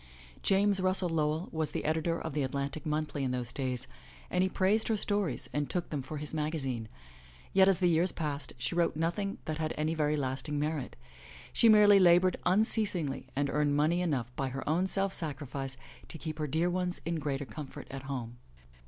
James Russell Lowell was the editor of the Atlantic Monthly in those days and he praised her stories and took them for his maga zine. Yet, as the years passed, she wrote nothing that had any very lasting merit. She merely labored unceasingly and earned money enough by her own self sacrifice to keep her dear ones in greater comfort at home.